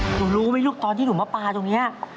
หนูรู้ไหมลูกตอนที่หนูมาปลาตรงนี้